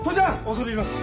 恐れ入ります。